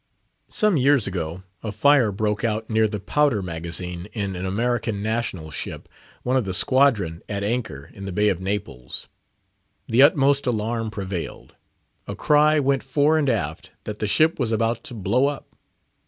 Some years ago a fire broke out near the powder magazine in an American national ship, one of the squadron at anchor in the Bay of Naples. The utmost alarm prevailed. A cry went fore and aft that the ship was about to blow up.